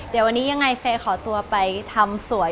เดี๋ยววันนี้ยังไงเฟย์ขอตัวไปทำสวย